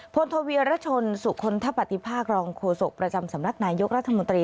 ทวีรชนสุคลทปฏิภาครองโฆษกประจำสำนักนายยกรัฐมนตรี